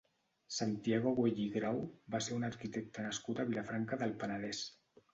Santiago Güell i Grau va ser un arquitecte nascut a Vilafranca del Penedès.